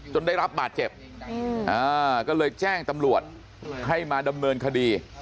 ได้รับบาดเจ็บก็เลยแจ้งตำรวจให้มาดำเนินคดี